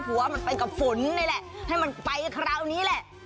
หัวมันไปกับฝนให้คราวนี้แหละ